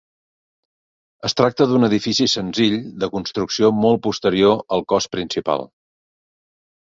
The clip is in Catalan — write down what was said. Es tracta d'un edifici senzill de construcció molt posterior al cos principal.